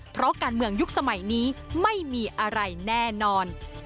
เพราะการเมืองยุคสมัยนี้ไม่มีอะไรแน่นอน